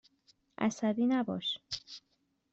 عصبی نباش.